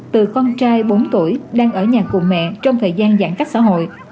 từ con trai bốn tuổi đang ở nhà cùng mẹ trong thời gian giãn cách xã hội